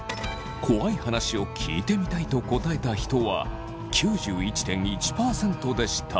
怖い話を聞いてみたいと答えた人は９１．１％でした。